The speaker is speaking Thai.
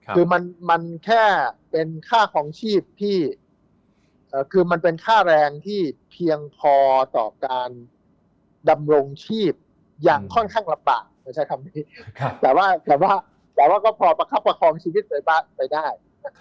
คือมันแค่เป็นค่าแรงที่เพียงพอตอบการดำรงชีพอย่างค่อนข้างลับปะแต่ว่าก็พอประคับประคงชีวิตไปป๊ะไปได้